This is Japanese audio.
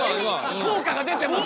効果が出てます。